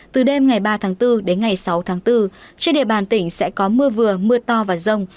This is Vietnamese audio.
từ đêm ngày ba tháng bốn đến ngày sáu tháng bốn trên địa bàn tỉnh sẽ có mưa vừa mưa to và rông